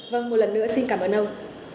vâng một lần nữa xin cảm ơn ông